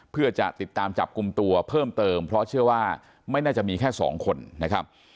เพื่อจะติดตามจับกลุ่มตัวเพิ่มเติมเพราะเชื่อว่าไม่น่าจะมีแค่สองคนนะครับ